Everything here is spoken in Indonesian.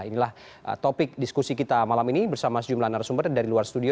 inilah topik diskusi kita malam ini bersama sejumlah narasumber dari luar studio